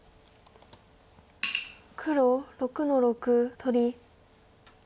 黒６の六取り。